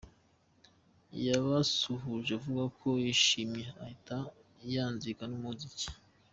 Yabasuhuje avuga ko yishimye ahita yanzika n’umuziki.